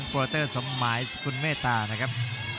โปรเตอร์สมหมายสกุลเมตตานะครับ